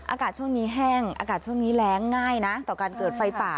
อากาศช่วงนี้แห้งอากาศช่วงนี้แรงง่ายนะต่อการเกิดไฟป่า